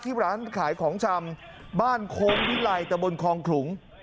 ที่ร้านขายของชำบ้านโคมที่ไหล่แต่บนคองขลุง